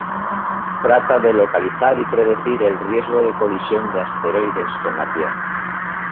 Trata de localizar y predecir el riesgo de colisión de asteroides con la Tierra.